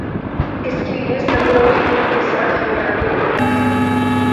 اس کے لیے صبر اور حکمت کے ساتھ ہمیں آگے بڑھنا ہے۔